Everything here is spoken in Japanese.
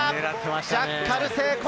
ジャッカル成功！